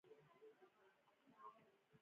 تنوع د افغانستان په ستراتیژیک اهمیت کې رول لري.